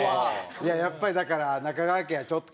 いややっぱりだから中川家はちょっと。